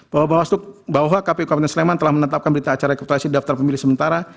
bapak bapak waspada bapak bapak kpu kabupaten sleman telah menetapkan berita acara rekruterasi daftar pemilih sementara